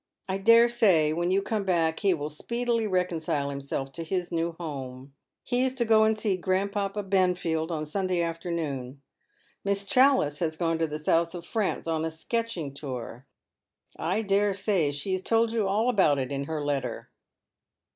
1 dare say when you come back he ^vill speedily reconcile himself to liis new home. He is to go and see grand* 666 Dead MerCs Shoes. papa Benfield on Sunday afternoon. Miss Challice has gone tc the south of France on a sketching tour. I dare say she has told you all about it in her letter."